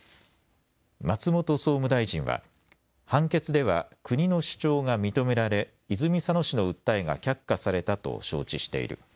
松本総務大臣は判決では国の主張が認められ泉佐野市の訴えが却下されたと承知している。